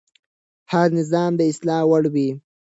هر نظام د اصلاح وړ وي